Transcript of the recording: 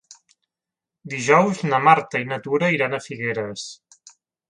Dijous na Marta i na Tura iran a Figueres.